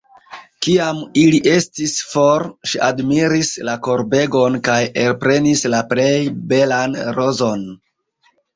Kiam ili estis for, ŝi admiris la korbegon kaj elprenis la plej belan rozon.